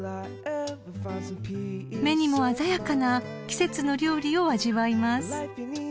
［目にも鮮やかな季節の料理を味わいます］